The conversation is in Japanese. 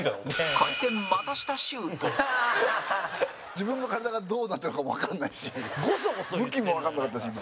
自分の体がどうなってるのかもわかんないし向きもわかんなかったし今。